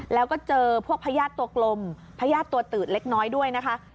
แล้วก็เจอพวกพญาติตัวกลมพญาติตัวตืดเล็กน้อยด้วยนะคะ